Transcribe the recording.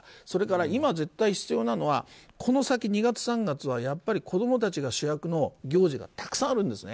それから今、絶対必要なのはこの先２月、３月はやっぱり子供たちが主役の行事がたくさんある。